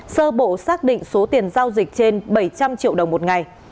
sơ bộ xác định số tiền giao dịch trên bảy trăm linh triệu đồng một ngày